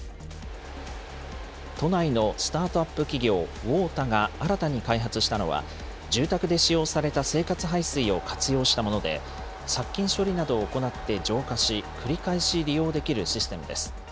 都内のスタートアップ企業、ＷＯＴＡが新たに開発したのは、住宅で使用された生活排水を活用したもので、殺菌処理などを行って浄化し、繰り返し利用できるシステムです。